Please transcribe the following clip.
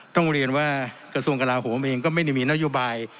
ต้องเรียนว่ากระทรวงกลาโหมเองก็ไม่ได้มีนโยบาย